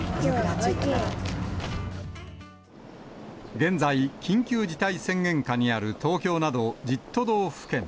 現在、緊急事態宣言下にある東京など１０都道府県。